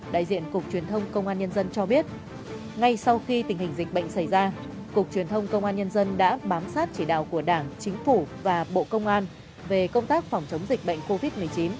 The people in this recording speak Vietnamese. đại diện cục truyền thông công an nhân dân cho biết ngay sau khi tình hình dịch bệnh xảy ra cục truyền thông công an nhân dân đã bám sát chỉ đạo của đảng chính phủ và bộ công an về công tác phòng chống dịch bệnh covid một mươi chín